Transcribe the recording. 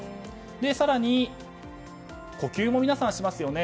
更に呼吸も皆さんしますよね。